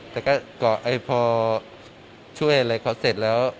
แต่ก็เกาะพอช่วยอะไรเขาเสร็จแล้ว